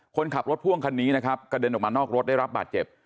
คนขับรถพ่วงคันนี้นะครับกระเด็นออกมานอกรถได้รับบาดเจ็บ